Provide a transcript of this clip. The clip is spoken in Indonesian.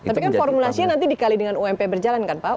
tapi kan formulasinya nanti dikali dengan ump berjalan kan pak